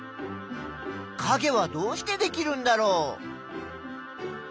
かげはどうしてできるんだろう？